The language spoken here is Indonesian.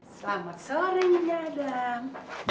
selamat sore nia adam